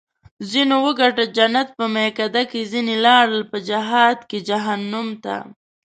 ځینو وګټل جنت په میکده کې ځیني لاړل په جهاد کې جهنم ته